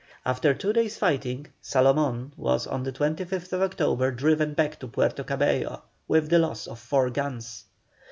After two days' fighting, Salomón was on the 25th October driven back to Puerto Cabello with the loss of four guns.